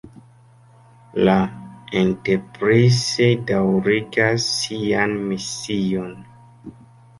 La Enterprise daŭrigas sian mision.